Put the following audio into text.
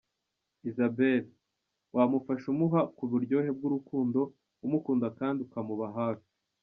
Isabelle : Wamufasha umuha ku buryohe bw’urukundo, umukunda kandi ukamuba hafi.